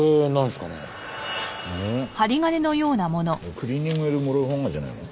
クリーニング屋でもらうハンガーじゃねえの？